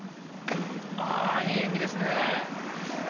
いい演技ですね。